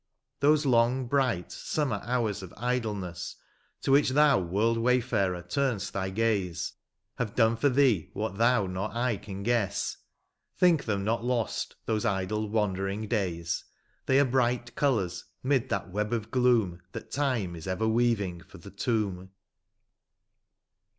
Those long, bright, summer hours of idleness. To which thou, world way farer, tum'st thy gaze. Have done for thee what thou nor I can guess ; Think them not lost, those idle, wandering days, They are bright colours 'mid that web of gloom That time is ever weaving for the tomb.